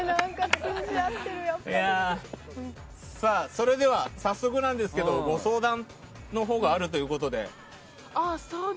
それでは早速ですがご相談のほうがあるということで。